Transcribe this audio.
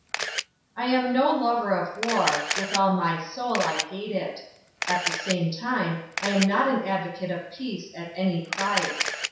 I am no lover of war; with all my soul I hate it. At the same time I am not an advocate of peace at any price.